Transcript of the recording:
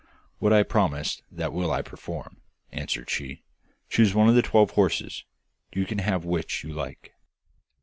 'What I promised that will I perform,' answered she. 'Choose one of these twelve horses; you can have which you like.